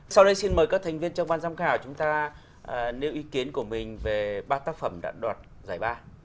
sau đây xin mời các thành viên trong ban giám khảo chúng ta nêu ý kiến của mình về ba tác phẩm đã đoạt giải ba